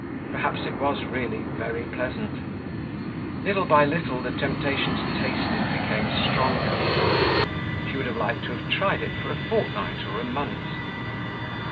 Perhaps it was really very pleasant. Little by little the temptation to taste it became stronger. She would have liked to have tried it for a fortnight or a month.